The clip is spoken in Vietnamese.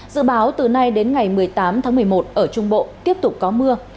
dự báo từ nay đến ngày một mươi tám tháng một mươi một ở trung bộ tiếp tục có mưa